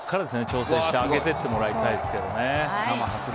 挑戦して上げていってもらいたいですね。